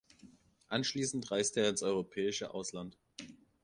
Anschließend reiste er ins europäische Ausland.